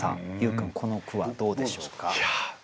君この句はどうでしょうか？